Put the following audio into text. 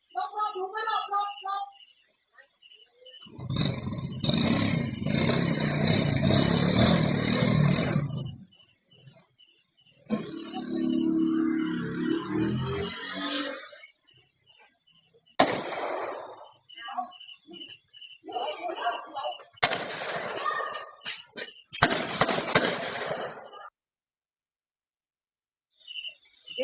สองเขาในนี้อะ